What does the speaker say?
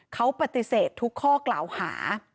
เขาปฏิเสธทุกข้อกล่าวหา